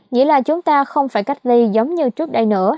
nghĩa là chúng ta không phải cách ly giống như trước đây nữa